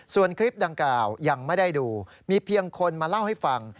ส่วนคลิปดังกล่าวยังไม่ได้ดูมีเพียงคนมาเล่าให้ฟัง